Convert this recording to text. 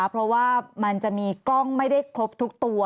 เพราะว่ามันจะมีกล้องไม่ได้ครบทุกตัว